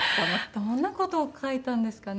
どんな事を書いたんですかね。